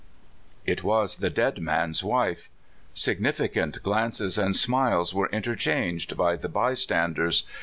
It was the dead man's wife. Significant glances and smiles were interchanged by the by standers.